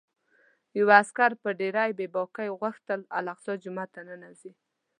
یوه عسکر په ډېرې بې باکۍ غوښتل الاقصی جومات ته ننوځي.